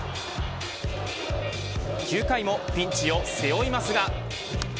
９回もピンチを背負いますが。